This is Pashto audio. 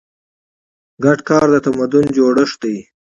ګډ کار د تمدن جوړښت دی.